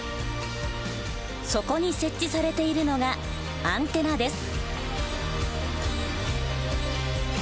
そこに設置されているのがアンテナです。